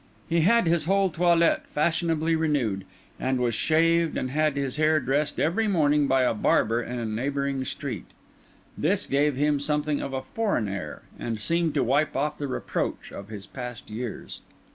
He had his whole toilette fashionably renewed; and was shaved and had his hair dressed every morning by a barber in a neighbouring street. This gave him something of a foreign air, and seemed to wipe off the reproach of his past years.